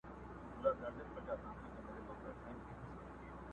پېغلتوب مي په غم زوړ کې څه د غم شپې تېرومه٫